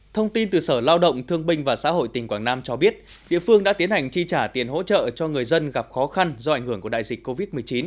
thông tin từ sở lao động thương binh và xã hội tỉnh quảng nam cho biết địa phương đã tiến hành chi trả tiền hỗ trợ cho người dân gặp khó khăn do ảnh hưởng của đại dịch covid một mươi chín